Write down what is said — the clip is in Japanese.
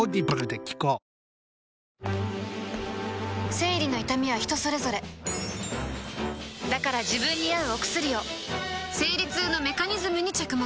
生理の痛みは人それぞれだから自分に合うお薬を生理痛のメカニズムに着目